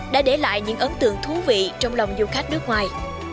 đã để lại những ấn tượng thú vị trong lòng du khách nước ngoài